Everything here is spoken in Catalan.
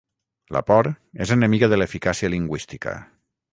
La por és enemiga de l'eficàcia lingüística.